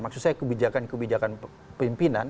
maksud saya kebijakan kebijakan pimpinan